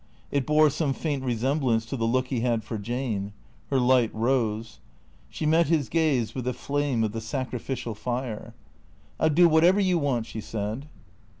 It bore some faint resemblance to the look he had for Jane. Her light rose. She met his gaze with a flame of the sacrificial fire. " I '11 do whatever you want," she said.